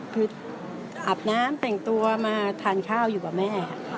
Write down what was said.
คืออาบน้ำแต่งตัวมาทานข้าวอยู่กับแม่